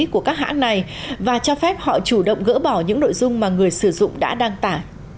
của các hãng này và cho phép họ chủ động gỡ bỏ những nội dung mà người sử dụng đã đăng tải